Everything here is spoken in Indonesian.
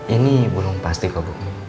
ini belum pasti kok